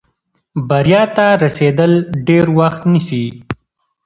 بریا ته رسېدل ډېر وخت نیسي.